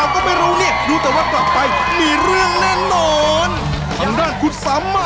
ชั้นรู้ไหมว่าเหลือมากครับ